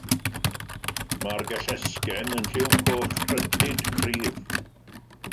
Mae'r gellesgen yn lliw coch rhydlyd cryf.